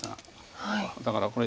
だからこれ。